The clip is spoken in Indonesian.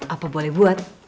apa boleh buat